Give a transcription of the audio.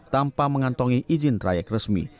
tanpa mengantongi izin trayek resmi